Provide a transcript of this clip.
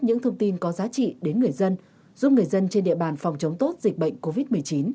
những thông tin có giá trị đến người dân giúp người dân trên địa bàn phòng chống tốt dịch bệnh covid một mươi chín